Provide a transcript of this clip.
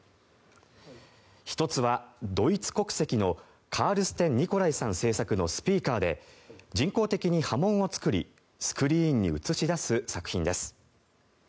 １つはドイツ国籍のカールステン・ニコライさん制作のスピーカーで人工的に波紋を作りスクリーンに映し出す作品です。